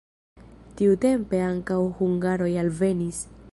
Tiutempe ankaŭ hungaroj alvenis.